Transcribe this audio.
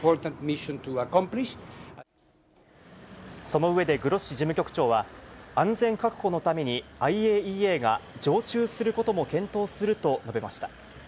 その上で、グロッシ事務局長は、安全確保のために、ＩＡＥＡが常駐することも検討すると述べました。